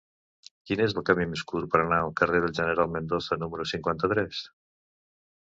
Quin és el camí més curt per anar al carrer del General Mendoza número cinquanta-tres?